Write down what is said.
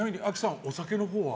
お酒のほうは？